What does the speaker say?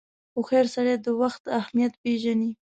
• هوښیار سړی د وخت اهمیت پیژني.